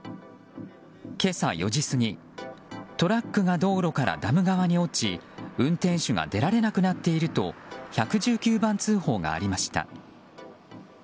今朝４時過ぎ、トラックが道路からダム側に落ち運転手が出られなくなっていると１１９番通報がありました。